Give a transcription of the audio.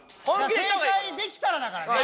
正解できたらだからね。